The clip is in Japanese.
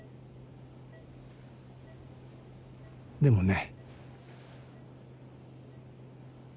でもね。